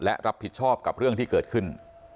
และรับผิดชอบกับเรื่องที่เกิดขึ้น